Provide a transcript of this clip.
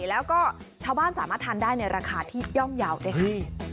แล้วก็ชาวบ้านสามารถทานได้ในราคาที่ย่อมเยาว์ด้วยค่ะ